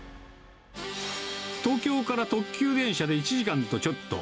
東京から特急電車で１時間とちょっと。